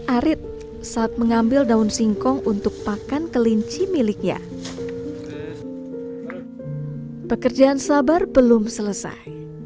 arit saat mengambil daun singkong untuk pakan kelinci miliknya pekerjaan sabar belum selesai